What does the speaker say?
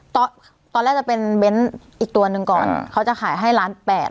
ตอนแรกจะเป็นเบ้นอีกตัวหนึ่งก่อนอ่าเขาจะขายให้ล้านแปด